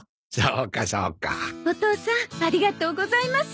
お義父さんありがとうございます。